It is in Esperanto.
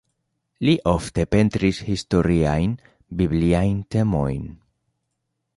Li ofte pentris historiajn, bibliajn temojn.